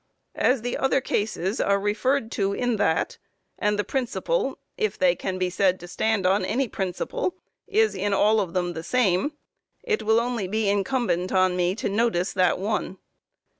As the other cases are referred to in that, and the principle, if they can be said to stand on any principle, is in all of them the same, it will only be incumbent on me to notice that one.